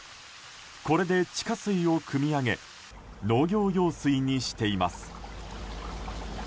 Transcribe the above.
これで水をくみ上げ農業用水にしています。